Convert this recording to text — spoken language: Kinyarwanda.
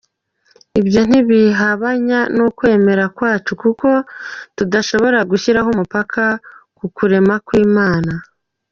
Ibyo ntibihabanya n’ukwemera kwacu, kuko tudashobora gushyiraho umupaka ku kurema kw’Imana.